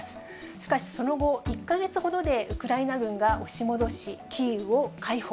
しかしその後、１か月ほどでウクライナ軍が押し戻し、キーウを解放。